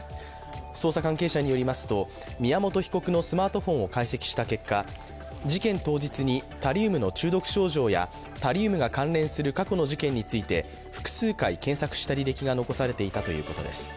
捜査関係者によりますと宮本被告のスマートフォンを解析した結果、事件当日にタリウムの中毒症状やタリウムが関連する過去の事件について複数回、検索した履歴が残されていたということです。